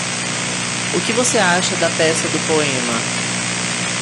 O que você acha da peça do poema?